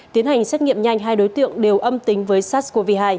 tiến hành xét nghiệm nhanh hai đối tượng đều âm tính với sars cov hai